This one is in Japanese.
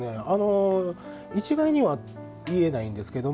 一概には言えないんですけども